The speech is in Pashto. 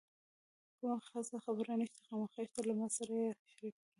کومه خاصه خبره نشته، خامخا شته له ما سره یې شریکه کړه.